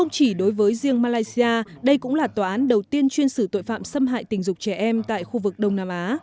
chỉ đối với riêng malaysia đây cũng là tòa án đầu tiên chuyên xử tội phạm xâm hại tình dục trẻ em tại khu vực đông nam á